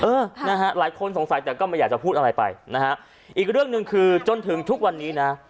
เออนะฮะหลายคนสงสัยแต่ก็ไม่อยากจะพูดอะไรไปนะฮะอีกเรื่องหนึ่งคือจนถึงทุกวันนี้นะ